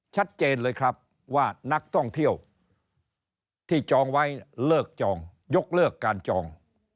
ชัดเจนเลยครับว่านักท่องเที่ยวที่จองไว้เลิกจองยกเลิกการจอง